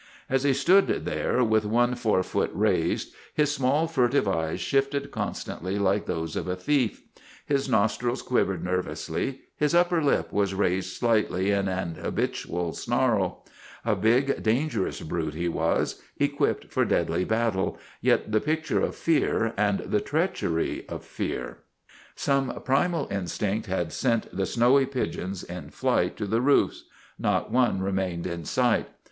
As he stood there, with one forefoot raised, his small furtive eyes shifted constantly like those of a thief. His nostrils quivered nervously; his upper lip was raised slightly in an habitual snarl. A big, dangerous brute he was, equipped for deadly battle, yet the picture of fear and the treachery of fear. 1 84 THE BLOOD OF HIS FATHERS Some primal instinct had sent the snowy pigeons in flight to the roofs; not one remained in sight.